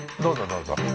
どうぞ。